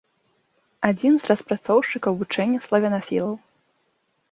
Адзін з распрацоўшчыкаў вучэння славянафілаў.